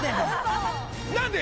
何で！？